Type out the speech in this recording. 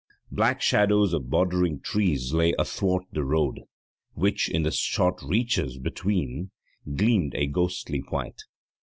Black shadows of bordering trees lay athwart the road, which, in the short reaches between, gleamed a ghostly white.